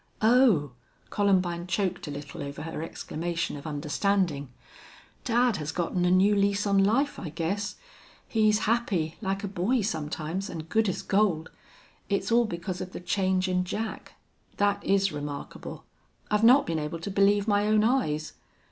"Oh!..." Columbine choked a little over her exclamation of understanding. "Dad has gotten a new lease on life, I guess. He's happy, like a boy sometimes, an' good as gold.... It's all because of the change in Jack. That is remarkable. I've not been able to believe my own eyes.